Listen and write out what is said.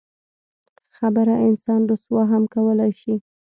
خبره انسان رسوا هم کولی شي.